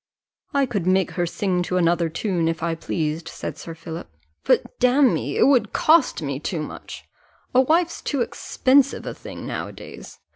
"I could make her sing to another tune, if I pleased," said Sir Philip; "but, damme, it would cost me too much a wife's too expensive a thing, now a days.